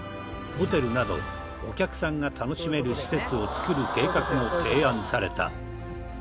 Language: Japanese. ホテルなどお客さんが楽しめる施設を造る計画も提案された。